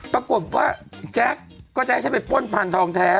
ปรากฏว่าแจ๊คก็จะให้ฉันไปป้นพันธองแท้